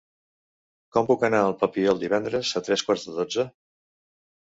Com puc anar al Papiol divendres a tres quarts de dotze?